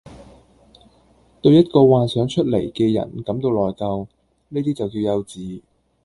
對一個幻想出來嘅人感到內疚，呢啲就叫幼稚